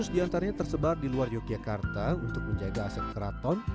dua ratus diantaranya tersebar di luar yogyakarta untuk menjaga aset keraton